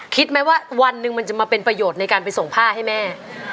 คิดไหมว่าวันหนึ่งมันจะมาเป็นประโยชน์ในการไปส่งผ้าให้แม่